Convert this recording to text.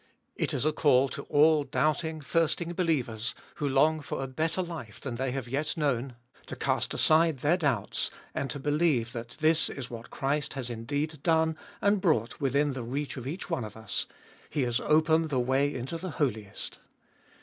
It is a call to all doubting, thirsting believers, who long for a better life than they have yet known, to cast aside their doubts, and to believe that this is what Christ has indeed done and brought within the reach of each one of us : He has opened the way into the Holiest